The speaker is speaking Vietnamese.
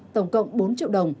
tổng cộng bốn triệu đồng